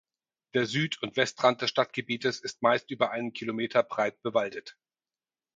Der Süd- und Westrand des Stadtgebietes ist meist über einen Kilometer breit bewaldet.